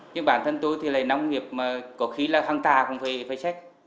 nhưng bản thân tôi thì là nông nghiệp mà có khí là hăng tà cũng phải sách